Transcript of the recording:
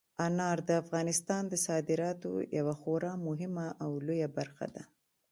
انار د افغانستان د صادراتو یوه خورا مهمه او لویه برخه ده.